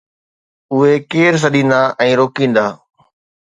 اهي ڪير سڏيندا ۽ روڪيندا؟